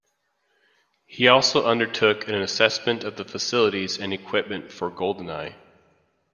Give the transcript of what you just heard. He also undertook an assessment of the facilities and equipment for Goldeneye.